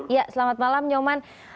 ya selamat malam nyoman